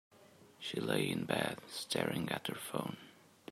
She lay in bed, staring at her phone.